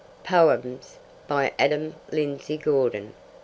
Poems. By Adam Lindsay Gordon.